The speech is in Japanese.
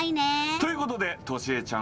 ということでトシエちゃん